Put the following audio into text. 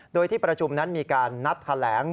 โดยที่ประชุมนั้นมีการนัดแถลง